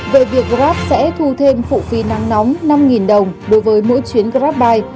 về việc grab sẽ thu thêm phụ phí nắng nóng năm đồng đối với mỗi chuyến grabbuy